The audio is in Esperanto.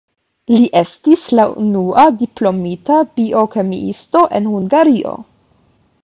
Li estis la unua diplomita biokemiisto en Hungario.